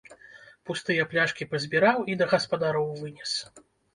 Пустыя пляшкі пазбіраў і да гаспадароў вынес.